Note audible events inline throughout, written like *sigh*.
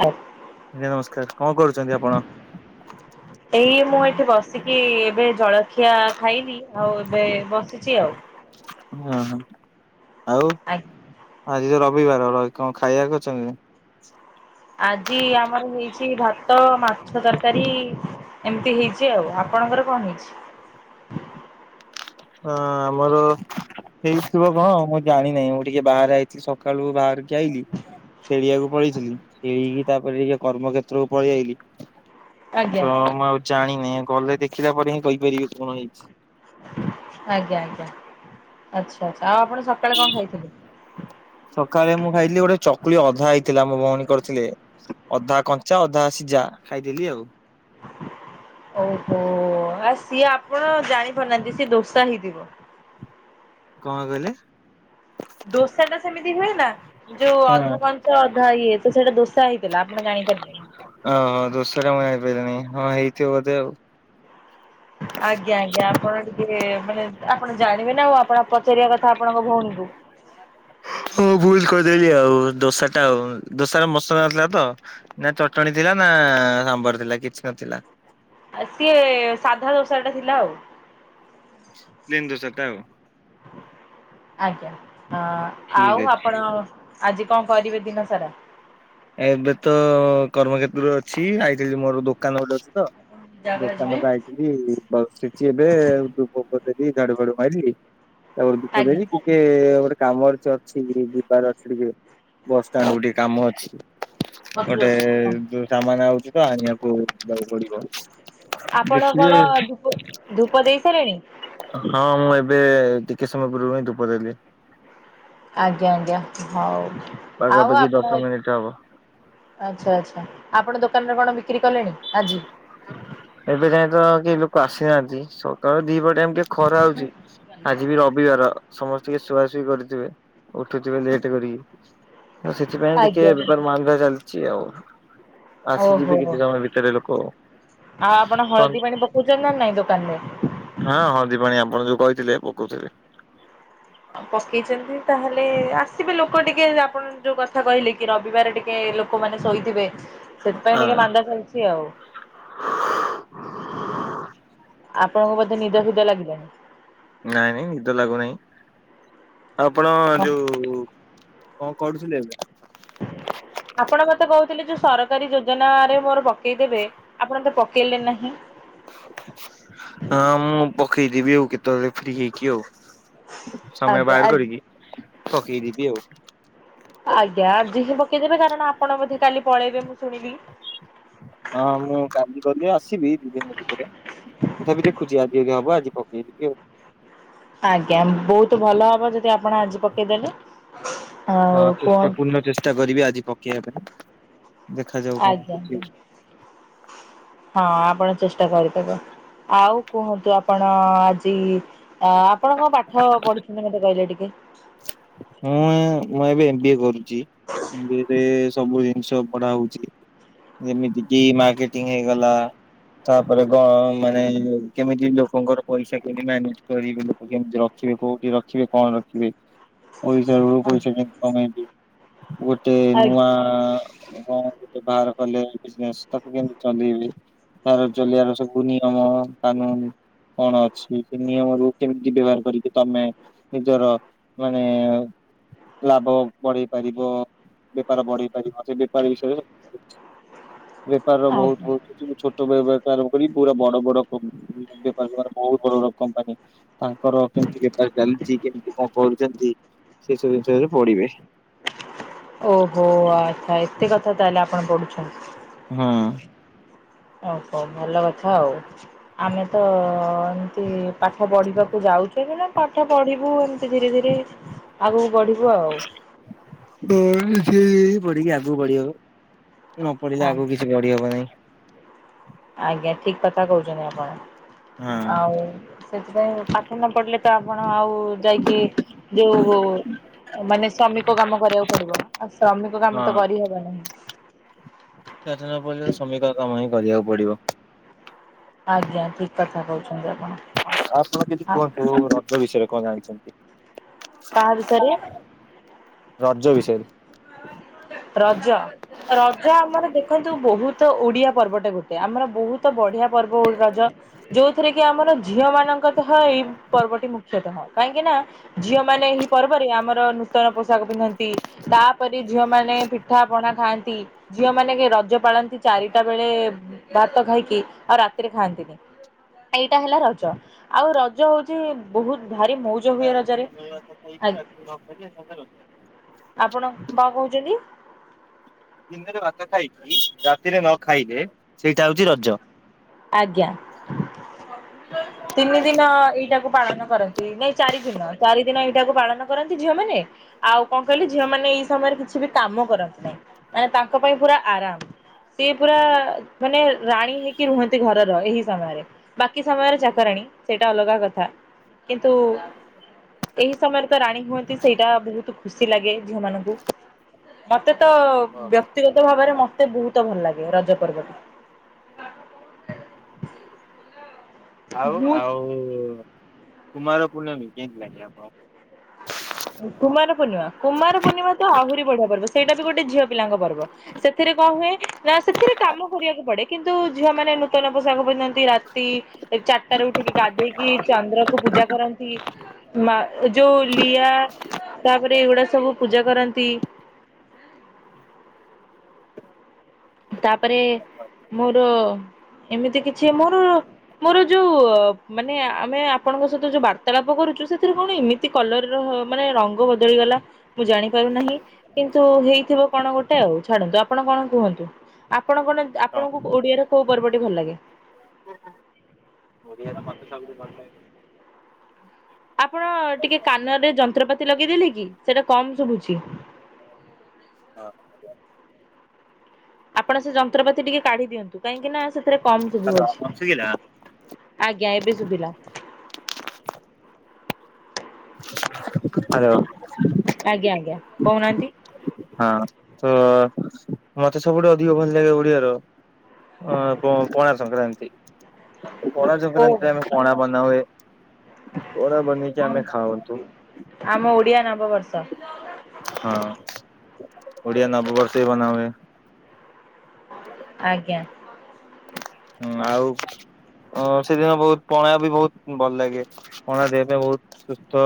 ହଉ। ଆଜ୍ଞା ନମସ୍କାର, କଣ କରୁଛନ୍ତି ଆପଣ? ଏଇ ମୁଁ ଏଠି ବସିକି ଏବେ ଜଳଖିଆ ଖାଇଲି ଆଉ ଏବେ ବସିଛି ଆଉ। ହ ହଁ ହ ଆଉ ଆଜ୍ଞା ଆଜି ତ ର ରବିବାର କଣ ଖାଇବାକୁ ଅଛନ୍ତି ନା? ଆଜି ଆମର ହେଇଛି ଭାତ, ମାଛ ତରକାରୀ, ଏମିତି ହେଇଛି ଆଉ ଆ ଆପଣଙ୍କର କଣ ହେଇଛି? ହଁ ଆମର ହେଇଥିବ କଣ ମୁଁ ଜାଣିି ନାହିଁ ମୁଁ ଟିକେ ବାହାରେ ଆଇଛିି ସକାଳୁ ବାହାରିକି ଆଇଲି ଖେଳିବାକୁ ପଳେଇଥିଲି ଖେଳିକି ତାପରେ ଟିକେ କର୍ମକ୍ଷେତ୍ରକୁ ପଳେଇ ଆଇଲି ଆଜ୍ଞା ଜ ମୁଁ ଆଉ ଜାଣିନି ଗଲେ ଦେଖିଲା ପରେ ହିଁ କହିପାରିବି କଣ ହେଇଛି ଆଜ୍ଞା ଆଜ୍ଞା ଆଛା ଆଛା। ଆଉ ଆପଣ ସକାଳେ କଣ ଖାଇଥିଲେ? ସକାଳେ ମୁଁ ଖାଇଥିଲି ଗୋଟେ ଚକୁଳି ଅଧା ହେଇଥିଲା ମୋ ଭଉଣୀ କରିଥିଲେ ଅଧା କଞ୍ଚା ଅଧା ସିଝା ଖାଇଦେଲି ଆଉ। ଓହୋ ଆଉ ସିଏ ଆପଣ ଜାଣିପାରୁନାହାନ୍ତି। ସିଏ ଦୋସା ହେଇଥିବ। କଣ କହିଲେ? ଦୋସା ଟା ସେମିତି ହୁଏ ନା ଯୋଉଁ ହଁ ଅଧା କଞ୍ଚା ଅଧା ଇଏ ତ ସେଇଟା ଦୋସା ହେଇ ଥିଲା ଆପଣ ଜାଣିପାରିବେ। ଓହୋ ଦୋଷାଟା ମୁଇଁ ଜାଣିପାରିଲିନି ହଁ ହେଇଥିବ ବୋଧେ ଆଉ। ଆଜ୍ଞା ଆଜ୍ଞା ଆପଣ ଟିକେ ମାନେ ଆପଣ ଜାଣିବେ ନା ଆଉ ଆପଣ ପଚାରିବା କଥା ଆପଣଙ୍କ ଭଉଣୀଙ୍କୁ। ଭୁଲ କହିଲି। ଆଉ ଦୋସା ଟା ଆଉ ଦୋସ ମସଲା ନଥିଲା ତ ନା ଚଟଣି ଥିଲା ନା ଥିଲା କିଛି ନଥିଲା। ଆ ସିଏ ସାଧା ଦୋସା ଟା ଥିଲା ଆଉ। ପ୍ଲେନ ଦୋଷାଟା ଆଉ। ଆଜ୍ଞା ହଁ ଠିକ ଆଉ ଅଛି। ଆପଣ ଆଜି କଣ କରିବେ ଦିନ ସାରା? ଏବେ ତ କର୍ମକ୍ଷେତ୍ରରେ ଅଛି ଆଇଥିଲି ମୋର ଦୋକାନ ଗୋଟେ ଅଛି ତ ଜାଗା ଯିବେ ଦୋକାନରୁ ଆଇଥିଲି ବସିଛି ଏବେ। ଝାଡୁ ଫାଡୁ ମାଇଲି ତାପରେ ଧୂପ ଆଜ୍ଞା ଦେବି କାମରେ ଅଛି କି ଯିବାର ଅଛି ଟିକେ ବସଷ୍ଟାଣ୍ଡ ଗୋଟେ ଟିକେ କାମ ଅଛି। ସଜୁ ଗୋଟେ ଆସ ଯୋଉଁ ସାମାନ ଆଉଛି ତ ଆଣିବାକୁ ଦବାକୁ ପଡିବ। ଆପଣ ଦେଖିବେ କଣ ଧୂପ ଧୂପ ଦେଇ ସାରିଲେଣି? ହଁ ମୁଁ ଏ ଏବେ ଟିକେ ସମୟ ପୂର୍ବରୁ ଧୁପ ଦେଲି। ଆଜ୍ଞା ଆଜ୍ଞା ହଉ। ଆଉ ପାଖାପାଖି ଆପଣ ଦଶ ମିନିଟ ହବ। ଆଚ୍ଛା ଆଚ୍ଛା ଆପଣ ଦୋକାନ କଣ ବିକ୍ରି କଲେଣି ଆଜି? ଏବେ ଯାଏ ତ କେହି ଲୋକ ଆସିନାହାନ୍ତି ସକାଳ ଦିପହର ଟାଇମ ଟିକେ ଖରା ହଉଛି ଆଜି ବି ରବିବାର ସମସ୍ତେ ଟିକେ ଶୁଆସୁଇ କରିଥିବେ ଉଠୁଥିବେ ଲେଟ କରିକି ସେଥିପାଇଁ ଟିକେ ଆଜ୍ଞା ବେପାର ମାନ୍ଦା ଚାଲିଛି ଆଉ। ଓହୋ ଆସିଯିବେ କିଛି ସମୟ ଭିତରେ ଲୋକ। ଆଉ ଆପଣ ହଳଦୀ ପାଣି ପକଉଛନ୍ତି ନା ନାଇଁ ଦୋକାନରେ? ହଁ ହଳଦୀ ପାଣୀ ଆପଣ ଯୋଉଁ କହି ଥିଲେ ପକଉଥିଲେ। ପକେଇଛନ୍ତି ତାହେଲେ ଆସିବେ ଲୋକ ଟିକେ ଆପଣ ଯୋଉଁ କଥା କହିଲେ କି ରବିବାର ଟିକେ ଲୋକମାନେ ଶୋଇଥିବେ ସେଥିପାଇଁ ହଁ ଟିକିଏ ମାନ୍ଦା ଚାଲିଛି ଆଉ। ଆପଣଙ୍କୁ ବୋଧେ ନିଦ ଫିଦ ଲାଗିଲାଣିି। ନାଇଁ ନାଇଁ ନିଦ ଲାଗୁନାହିଁ ଆଉ ଆପଣ ଯଉ କଣ କରୁଥିଲି ଏବେ? ଆପଣ ମତେ କହୁଥିଲେ ଯୋଉଁ ସରକାରୀ ଯୋଜନା ରେ ମୋର ପକେଇଦେବେ ଆପଣ ତ ପକେଇଲେ ନାହିଁ। ହଁ ମୁଁ ପକେଇଦବି ଆଉ କେତେବେଳେ ଫ୍ରି ହେଇକି ଆଉ ସମୟ ଆଜ୍ଞା ବାହାର ଆଜି କରିକି ପକେଇ ଦେବି ଆଉ। ଆଜ୍ଞା ଆଜି ହିଁ ପକେଇଦେବେ କାରଣ ଆପଣ ବୋଧେ କାଲି ପଳେଇବେ ମୁଁ ଶୁଣିଲି। ହଁ ମୁଁ କାଲି ଗଲେ ଆସିବି ଦି ଦିନ ଭିତରେ। ତଥାପି ଦେଖୁଛି ଆଜି ଯଦି ହବ ଆଜି ପକେଇ ଯିବି ଆଉ। ଆଜ୍ଞା ବହୁତ ଭଲ ହବ ଯଦି ଆପଣ ଆଜି ପକେଇଦେଲେ। ହଁ ଆଉ କୁହ ଚେଷ୍ଟା ପୂର୍ଣ୍ଣ ଚେଷ୍ଟା କରିବି ଆଜି ପକେଇବା ପାଇଁ। ଦେଖାଯାଉ କଣ ଆଜ୍ଞା ହଉଛି ଆଉ। ହଁ ଆପଣ ଚେଷ୍ଟ୍ କରିଦେବ ଆଉ କୁହନ୍ତୁ ଆପଣ ଆଜି ଅ ଆପଣ କଣ ପାଠ ପଢିଛନ୍ତି ମତେ କହିଲେ ଟିକେ? ମୁଁଁ, ମୁଁ ଏବେ ଏମ୍ ବି ଏ କରୁଛି ଏମ୍ ବି ଏ ରେ ସବୁ ଜିନିଷ ପଢା ହଉଛି। ଯେମିତି କିି ମାର୍କେଟିଂ ହେଇଗଲା ତାପରେ ଗ ମାନେ କେମିତି ଲୋକଙ୍କର ପଇସା କେମିତି ମ୍ୟାନେଜ କରି ଲୋକ କେମିତି ରଖ ରଖିବେ କୋଉଠି ରଖିବେ କଣ ରଖିବେ ହ *inaudible* ପଇସା ରୁ ପଇସା କେମତି କମେଇବ ଗୋଟେ ନୂଆ ଆଜ୍ଞା, କଣ ଗୋଟେ ବାହାର କଲେ ବିଜିନେସ ତାକୁ କେମତି ଚଲେଇବି। ତାର ଚଲେଇଆାର ସବୁ ନିୟମ କାନୁନ କଣ ଅଛି ସେ ନିୟମରୁ କେମିତି ବ୍ୟବହାର କରିକି ତମେ ନିଜର ମାନେ ଲାଭ ବଢେଇ ପାରିବ। ବେପାର ବଢେଇ ପାରିବ ସେ ବେପାର ବିଷୟରେ ବେପାର ଆଜ୍ଞା। ବହୁତ ହଛ ବେପାର କରି ପୁରା ବଡ ବଡ ବେପାରକୁପାର ବହୁତ ବଡ ବଡ କମ୍ପାନୀ ତାଙ୍କର କେମତି ବେପାର ଚାଲଛି କେମତି କଣ ପଢୁଛନ୍ତି ସେ ସବୁ ଜିନିଷରେ ପଢିବେ। ଓହୋ ଆଚ୍ଛା ଏତେ କଥା ତାହେଲେ ଆପଣ ପଢୁଛନ୍ତି। ହୁଁ। ହ ହ ଭଲ କଥା ଆଉ ଆମେ ତ ଏମିତି ପାଠ ପଢିବାକୁ ଯାଉ ପାଠ ପଢିବୁ ଏମତି ଧୀରେ ଧୀରେ ଆଉ ପଢ଼ିବୁ ଆଉ। ସେ ପଢିକି ଆଗକୁ ବଢି ହବ ନ ପଢିଲେ ଆଗକୁ ଆଜ୍ଞା। କିଛି ବଢି ହବ ନାହିଁ। ଆଜ୍ଞା ଠିକ କଥା କହୁଛନ୍ତି ଆପଣ। ହଁ। ଆଉ ସେଥିପାଇଁ ପାଠ ନ ପଡ଼ିଲେ ତ ଆପଣ ଆଉ ଯାଇକି ଯୋଉ ମାନେ ଶ୍ରମିକ କାମ କରିବାକୁ ପଡିବ। ଆଉ ଶ୍ରମିକ କାମ ହଁ। ତ କରିହବ ନାହିଁ। ପାଠ ନ ପଢିଲେ ଶ୍ରମିକ କାମ ହିଁ କରିବାକୁ ପଡିବ। ଆଜ୍ଞା ଠିକ କଥା କହୁଛନ୍ତି। ଆପଣ ଆପଣ କିଛି ଆ କୁହନ୍ତୁ ରଜ ବିଷୟରେ କଣ କାହା ବିଷୟରେ ଜାଣିଛନ୍ତି? ରଜ ବିଷୟରେ। ରଜ ରଜ ଆମର ଦେଖନ୍ତୁ ବହୁତ ତ ଓଡିଆ ପର୍ବଟେ ଗୋଟେ ଆମର ବହୁତ ବଢିଆ ପର୍ବ ରଜ ଯୋଉଥିରେ କି ଆମର ଝିଅ ମାନଙ୍କ ଏଇ ପର୍ବଟି ମୁଖ୍ୟତଃ କାହିଁକି ନା ଝିଅ ମାନେ ଏହି ପର୍ବରେ ଆମର ନୂତନ ପୋଷାକ ପିନ୍ଧନ୍ତି ତାପରେ ଝିଅମାନେ ପିଠାପଣା ଖାଆନ୍ତି ଝିଅମାନେ କି ରଜ ପାଳନ୍ତି ଚାରିଟା ବେଳେ ଭାତ ଖାଇକି ଆଉ ରାତିରେ ଖାଆନ୍ତିନି। ଏଇଟା ହେଲା ରଜ ଆଉ ରଜ ହଉଛି ବହୁତ ଭାରି ମଉଜ ତ ହୁଏ ରଜରେ କାଇକ ରାକ *inaudible* ଆପଣ କଣ କହୁଛନ୍ତି ଦିନରେ ଭାତ ଖାଇଚି ରାତ ତିରେ ନ ଖାଇଲେ ସେଇଟା ହଉଛି ରଜ। ଆଜ୍ଞା। ତିନି ଦିନ ଏଇଟାକୁ ପାଳନ କରନ୍ତି ନାଇଁ ଚାରି ଦିନ ଚାରି ଦିନ ଏଇଟାକୁ ପାଳନ କରନ୍ତି ଝିଅ ମାନେ ଆଉ କଣ କହିଲି ଝିଅ ମାନେ ଏଇ ସମୟରେ କିଛି ବି କାମ କରନ୍ତି ନାହିଁ ମାନେ ତାଙ୍କ ପାଇଁ ପୁରା ଆରାମ ସେ ପୁରା ମାନେ ରାଣୀ ହେଇକି ରୁହ ନ୍ତି ଘରର ଏହି ସମୟରେ ବାକି ସମୟରେ ଚାକରାଣୀ ସେଇଟା ଅଲଗା କଥା। କିନ୍ତୁ ଏହି ସମୟରେ ତ ରାଣୀ ହୁଅନ୍ତି ସେଇଟା ବହୁତ ଖୁସି ଲାଗେ ଝିଅ ମାନଙ୍କୁ, ମତ ମତେ ତ ବ୍ୟକ୍ତିଗତ ଭାବରେ ମ ମତେ ବହୁତ ଭଲ ଲାଗେ ରଜ ପର୍ବକୁ। ଆଉ ମୁଁ ଆଉ କୁମାର ପୂର୍ଣ୍ଣମୀ କେମତି ଲାଗେ ଆପଣଙ୍କୁ? କୁମାର ପୂର୍ଣ୍ଣିମା କୁମାର ପୂର୍ଣ୍ଣିମା ତ ଆହୁରି ବଢିଆ ପର୍ବ ସେଇଟା ବି ଗୋଟେ ଝିଅ ପିଲାଙ୍କ ପର୍ବ। ସେଥିରେ କଣ ହୁଏ ନା ସେଥିରେ କାମ କରିବାକୁ ପଡେ କିନ୍ତୁ ଝିଅ ମାନେ ନୂତନ ପୋଷାକ ପିନ୍ଧନ୍ତି ରାତି କି ଚନ୍ଦ୍ରକୁୁ ପୂଜା କରନ୍ତି ମା ଯୋଉ ଲିଆ ତାପରେ ଏଇଗୁଡା ସବୁ ପୂଜା କରାନ୍ତି। ତାପରେ ମୋର ଏମିତି କିଛି ମୋର ମୋର ଯୋଉ ମାନେ ଆମେ ଆପଣଙ୍କ ସହିତ ଯୋଉ ବାର୍ତାଳାପ କରୁଛୁ କିନ୍ତୁ ସେଥିରେ କଣ ଏମିତି କଲର୍ ର ହ ମନେ ରଙ୍ଗ ବଦଳି ଗଲା ମୁ ଜାଣିପାରୁ ନାହିଁ କିନ୍ତୁ ହେଇଥିବ କଣ ଗୋଟେ ଆଉ ଛାଡନ୍ତୁ। ଆପଣ କଣ କୁହନ୍ତୁ? ଆପଣ କଣ ଆପଣଙ୍କୁ ଓଡିଆରେ କୋଉ ପର୍ବଟି ଭଲ ଲାଗେ? ଓ ହଁ, ଓଡ଼ିଆର ମତେ ସବୁଠୁ ଭଲ ଲାଗେ ଆପଣ ଟିକେ କାନରେ ଯନ୍ତ୍ରପାତି ଲଗେଇଦେଲେ କି ସେଟା କମ ଶୁଭୁଛି? ହଁ। ଆପଣ ସେ ଯନ୍ତ୍ରପାତି ଟିକେ କାଢି ଦିଅନ୍ତୁ କାହିଁକି ନା ସେ ରେ କମ ଶୁଭୁ ହ୍ୟାଲୋ ଅଛି ଶୁଭିଲା? ଆଜ୍ଞା ଏବେ ଶୁଭିଲା। ଆରୋ। ଆଜ୍ଞା ଆଜ୍ଞା କହୁନାହାନ୍ତି? ହଁ ତ ମତେ ସବୁଠୁ ଅଧିକ ଭଲ ଲାଗେ ଓଡିଆର ଅ ପ ପଣା ସଂକ୍ରାନ୍ତି ପଣା ଓ ସଂକ୍ରାନ୍ତିରେ ଆମେ ପଣା ବନାହୁଏ। ଖାଉନ୍ତୁ ଆମ ଓଡିଆ ନବ ବର୍ଷ। ହଁ ଓଡିଆ ନବବର୍ଷ ବି ବନା ହୁଏ। ଆଜ୍ଞା ହୁଁ ଆଉ? ଅ ସେଦିନ ବହୁତ ପଣା ବି ବହୁତ ଭଲ ଲାଗେ ପଣା ଦେବା ପାଇଁ ବହୁତ ସୁସ୍ଥ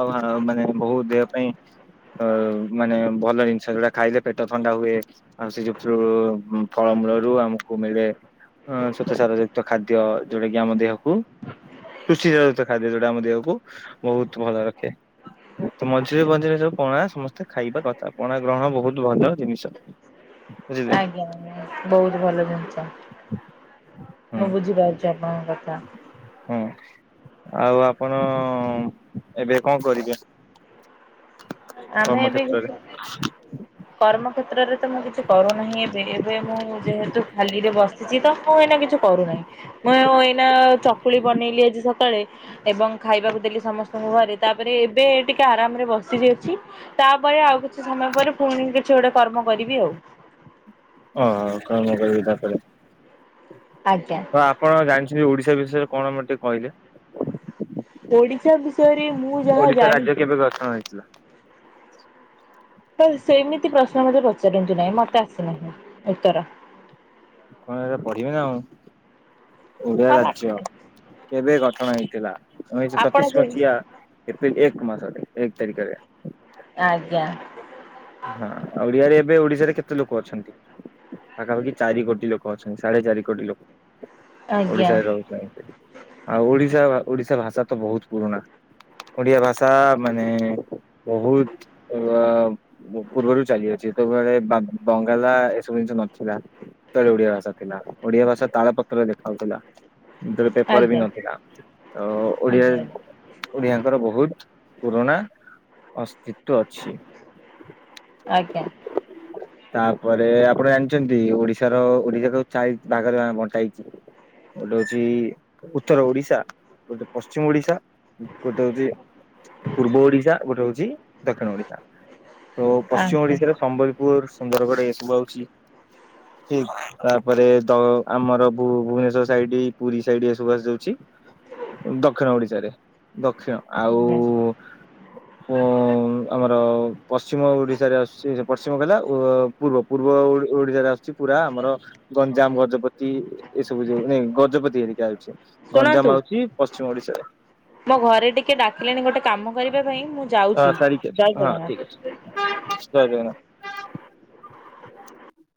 ଆଉ ଆ ମାନେ ବହୁ ଦେହ ପାଇଁ ଅ ମାନେ ଭଲ ଜିନିଷ ଯୋଉଟା ଖାଇଲେ ପେଟ ଥଣ୍ଡା ହୁଏ ଆଉ ସେ ଯୋ ଫଳମୂଳରୁ ଆମକୁ ମିଳେ ଅ ସ୍ଵତ ସାର ଯୁକ୍ତ ଖାଦ୍ୟ ଯୋଉଟା କି ଆମ ଦେହକୁ ପୃଷ୍ଟି ସାର ଯୁକ୍ତ ଖାଦ୍ୟ ଯୋଉଟା ଆମ ଦେହକୁ ବହୁତ ଭଲ ରଖେ ତ ମଝିରେ ମଝିରେ ସବୁ କଣ ନା ସମସ୍ତେ ଖାଇବା କଥା ପଣା ଗ୍ରହଣ ବହୁତ ଭଲ ଜିନିଷ। ବୁଝିଲେ ଆଜ୍ଞା ବହୁତ ଭଲ ଜିନିଷ। ହୁଁ ମୁ ବୁଝିପାରୁଛି ଆପଣଙ୍କ କଥା। ହୁଁ। ଆଉ ଆପଣ ଏବେ କଣ କରିବେ? ଆମେ ଏ ବି କର୍ମକ୍ଷେତ୍ରରେ? କର୍ମକ୍ଷେତ୍ରରେ। ତ ମୁଁ କିଛି କରୁନାହିଁ ଏବେ ଏବେ ମୁଁ ଯେହେତୁ ଖାଲିରେ ବସିଛି ତ ମୁଁ ଏଇନା କିଛି କରୁନାହିଁ ମୁଁ ଏଇନା ଚକୁଳି ବନେଇଲି ଆଜି ସକାଳେ ଏବଂ ଖାଇବାକୁ ଦେ ଲି ସମସ୍ତଙ୍କୁ ଘରେ ତାପରେ ଏବେ ଟିକେ ଆରାମରେ ବସି ଯେହତ ତାପରେ ଆଉ କିଛି ସମୟ ପରେ ପୁଣି କିଛି ଗୋଟେ କର୍ମ କରିବି ଆଉ। ହଁ *unintelligible* ତାପରେ। ଆଜ୍ଞା। କଣ ଆପଣ ଜାଣିଛନ୍ତି ଓଡିଶା ବିଷୟରେ କଣ ମତେ ଟିକେ କହିଲେ? ଓଡିଶା ବିଷୟରେ ମୁଁ ଯାହା ଓଡିଶା ରାଜ୍ୟ ଜାଣିଛି କେବେ ଗଠନ ହେଇଥିଲା? ହ ସେମିତି ପ୍ରଶ୍ନ ମୋତେ ପଚାରନ୍ତୁ ନାହିଁ ମତେ ଆସିନାହିଁ ଉତ୍ତର। କଣ ଏ ପଢିବେ ନା ଆଉ ଓଡିଆ ଆଉ ପାଠ ରାଜ୍ୟ କେବେ ଗଠ ଠନ ହେଇଥିଲା ଉଣେଇଶ ଆପଣ ଛତିଶ ଯେ ମସିହା ଏପ୍ରିଲ ଏକ ମାସରେ ଏକ ତାରିଖରେ। ଆଜ୍ଞା। ହଁ ଓଡିଆରେ ଏବେ ଓଡିଶାରେ କେତେ ଲୋକ ଅଛନ୍ତି ପାଖାପାଖି ଚାରି କୋଟି ଲୋକ ଅଛନ୍ତି ସାଢେ ଚାରି କୋଟି ଲୋକ ଆଜ୍ଞା ଓଡିଶାରେ ରହୁଛନ୍ତି ଆଉ ଓଡିଶା ବା ଓଡିଶା ଭାଷା ତ ବହୁତ ପୁରୁଣା। ଓଡିଆ ଭାଷା ମାନେ ବହୁତ ପୂର୍ବରୁ ଚାଲିଅଛି। ତ ଯେତେବେଳେ ବଙ୍ଗାଲା ଏସବୁ ଜିନିଷ ନଥିଲା ସେତେବେଳେ ଓଡିଆ ଭାଷା ଥିଲା, ଓଡିଆ ଭାଷା ତାଳ ପତ୍ରରେ ଲେଖା ହଉଥିଲା। ସେତେବେଳେ ପେପର ବି ଆଜ୍ଞା ନଥିଲା। ତ ଓଡିଆ ଆଜ୍ଞା ଓଡିଆଙ୍କର ବହୁତ ପୁରୁଣା ଅସ୍ତିତ୍ବ ଅଛି। ଆଜ୍ଞା। ତାପରେ ଆପଣ ଜାଣିଚନ୍ତି ଓଡିଶାର ଓଡିଶାକୁ ଚାରି ଭାଗରେ ବଣ୍ଟା ହେଇଛି। ଗୋଟେ ହଉଛି ଉତ୍ତର ଓଡିଶା, ଗୋଟେ ପଶ୍ଚିମ ଓଡିଶା ଗୋଟେ ହଉଛି ପୂର୍ବ ଓଡିଶା, ଗୋଟେ ହଉଛି ଦକ୍ଷିଣ ଓଡିଶା। ତ ପଶ୍ଚିମ ଆଜ୍ଞା ଓଡିଶାରେ ସମ୍ବଲପୁର, ସୁନ୍ଦରଗଡ ଏସବୁ ଆଉଛି। ଠିକ ତାପରେ ତ ଆମର ଭୁ-ଭୁବନେଶ୍ଵର ସାଇଟି ପୁରୀ ସାଇଟି ଏ ସବୁ ଆସି ଯାଉଛି। ଦକ୍ଷିଣ ଓଡିଶାରେ। ଦକ୍ଷିଣ ଆଉ ଆଜ୍ଞା ଉଁ ଆମର ପଶ୍ଚିମ ଓଡିଶାରେ ଆସୁଛି ପଶ୍ଚିମ କହିଲା ପୂ-ପୂର୍ବ ପୂର୍ବ ଓଡ଼ି-ଓଡିଶାରେ ଆସୁଛି ପୁରା ଆମର ଗଞ୍ଜାମ, ଗଜପତି ଏସବୁ ଯୋଉ ନାଇଁ ଗଜପତି ହେରିକା ହେଉଛି। ଗଞ୍ଜାମ ଆଉଚି ପଶ୍ଚିମ ଓଡିଶାରେ। ଆମ ଘରେ ଟିକେ ଡାକିଲେଣି ଗୋଟେ କାମ କରିବା ପାଇଁ ମୁଁ ଯାଉଛି। ସରି ହଁ ଠିକ ଅଛି ଜୟ *unintelligible* ଜଗନ୍ନାଥ।